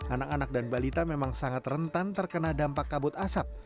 anak anak dan balita memang sangat rentan terkena dampak kabut asap